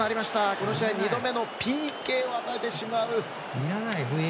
この試合２度目のＰＫを与えてしまう。